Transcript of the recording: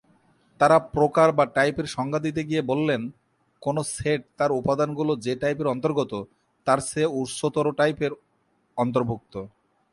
তারা প্রকার বা টাইপের সংজ্ঞা দিতে গিয়ে বললেন কোন সেট তার উপাদানগুলো যে টাইপের অন্তর্গত, তার চেয়ে উচ্চতর টাইপের অন্তর্ভুক্ত।